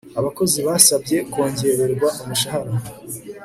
Abakozi basabye kongererwa umushahara